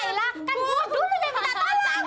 ya ilah kan gue dulu yang minta tolong